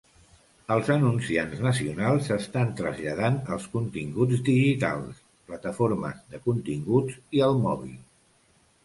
Els anunciants nacionals s'estan traslladant als continguts digitals, plataformes de continguts i al mòbil.